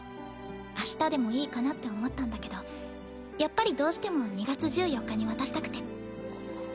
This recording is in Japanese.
明日でもいいかなって思ったんだけどやっぱりどうしても２月１４日に渡したくて。